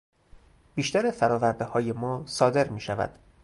بیشتر فرآوردههای ما صادر میشود.